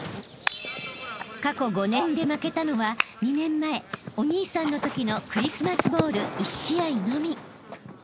［過去５年で負けたのは２年前お兄さんのときのクリスマスボウル１試合のみ］